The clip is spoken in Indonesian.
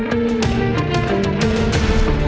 kok gak ada ya